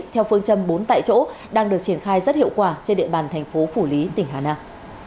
theo phương châm bốn tại chỗ đang được triển khai rất hiệu quả trên địa bàn thành phố phủ lý tỉnh hà nam